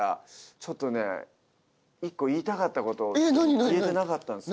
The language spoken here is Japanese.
ちょっとね１個言いたかったことを言えてなかったんです。